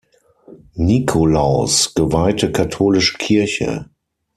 Nikolaus geweihte katholische Kirche.